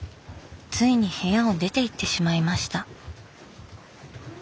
ついに部屋を出ていってしまいました。